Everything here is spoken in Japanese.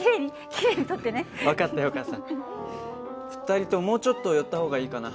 ２人とももうちょっと寄った方がいいかな。